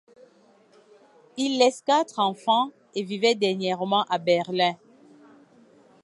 Il laisse quatre enfants et vivait dernièrement à Berlin.